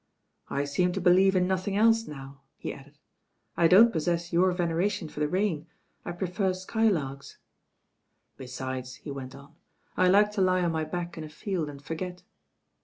"I seem to believe in nothing else now," he added. "I don't possess your veneration for the rain, I pre fer skylarks. Besides," he went on, "I like to lie on my back in a field and forget."